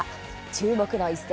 注目の一戦